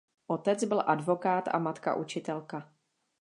Otec byl advokát a matka učitelka.